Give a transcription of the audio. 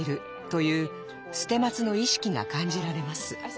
という捨松の意識が感じられます。